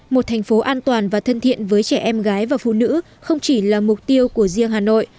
một thành phố an toàn và thân thiện với trẻ em gái và phụ nữ không chỉ là mục tiêu của riêng hà nội